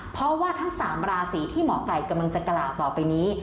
เพราะว่าทั้ง๓ราศีที่หมอไก่กำลังจะกล่าวต่อไปนี้